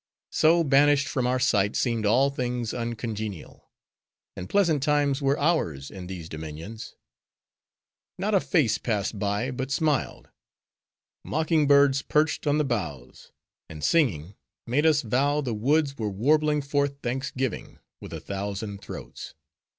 So, banished from our sight seemed all things uncongenial; and pleasant times were ours, in these dominions. Not a face passed by, but smiled; mocking birds perched on the boughs; and singing, made us vow the woods were warbling forth thanksgiving, with a thousand throats!